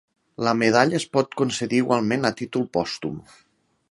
La medalla es pot concedir igualment a títol pòstum.